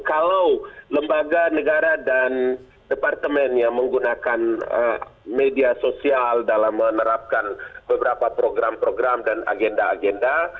kalau lembaga negara dan departemen yang menggunakan media sosial dalam menerapkan beberapa program program dan agenda agenda